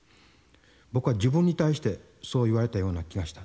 僕は自分に対してそう言われたような気がした。